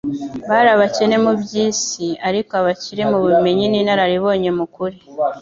bari abakene mu by'iyi si, ariko abakire mu bumenyi n'inararibonye mu kuri,